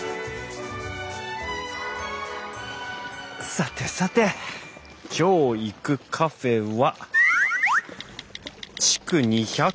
さてさて今日行くカフェは。